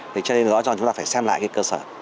thế cho nên rõ ràng chúng ta phải xem lại cái cơ sở